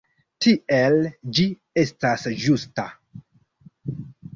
Tiel ĝi estas ĝusta.